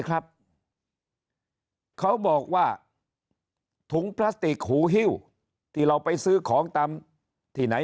เขาบอกว่าถุงพลาสติกหูฮิ้วที่เราไปซื้อของตามที่ไหน